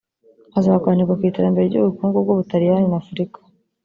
Hazaganirwa ku iterambere ry’ubukungu bw’u Butaliyani na Afurika